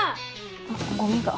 あっゴミが。